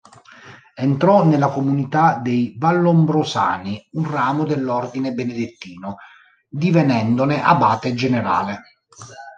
Entrò nella comunità dei Vallombrosani, un ramo dell'ordine benedettino, divenendone abate generale.